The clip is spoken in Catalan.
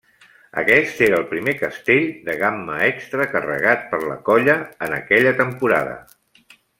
Aquest era el primer castell de gamma extra carregat per la colla en aquella temporada.